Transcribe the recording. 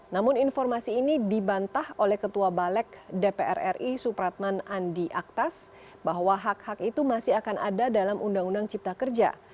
namun informasi ini dibantah oleh ketua balek dpr ri supratman andi aktas bahwa hak hak itu masih akan ada dalam undang undang cipta kerja